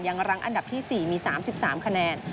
ยังรั้งอันดับที่สี่มีสามสิบสามคะแนน